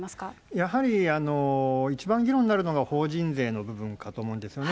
やはり一番議論になるのが、法人税の部分かと思うんですよね。